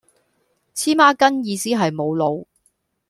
黐孖根意思係無腦